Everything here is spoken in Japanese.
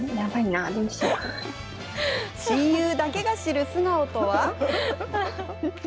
親友だけが知る素顔とは。